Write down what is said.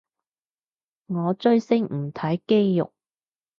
我追星唔係睇肌肉